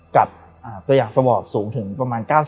กับตัวอย่างสวอปสูงถึงประมาณ๙๐